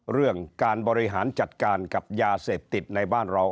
เรื่องการบริหารจัดการกับยาเสพติดในบ้านเรา